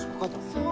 そう。